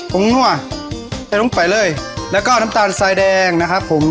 นั่วใส่ลงไปเลยแล้วก็น้ำตาลทรายแดงนะครับผม